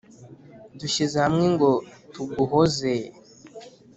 dushyize hamwe ngo tuguhozeee